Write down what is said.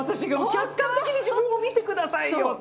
客観的に自分を見てくださいよって。